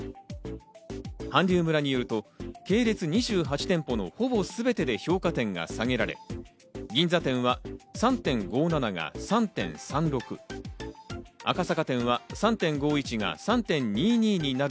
韓流村によると、系列２８店舗のほぼすべてで評価点が下げられ、銀座店は３．５７が３．３６、赤坂店は３．５１が３．２２にな